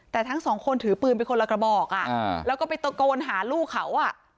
แต่ทั้งสองคนถือปืนไปคนละกระบอกแล้วก็ไปตะโกนหาลูกเขาอ่ะ